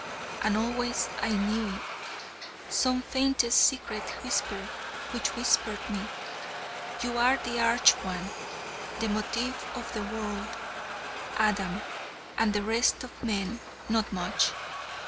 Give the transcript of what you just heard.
And always I knew it: some faintest secret whisper which whispered me: "You are the Arch one, the motif of the world, Adam, and the rest of men not much."